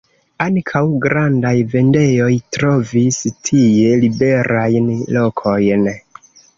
Ankaŭ grandaj vendejoj trovis tie liberajn lokojn.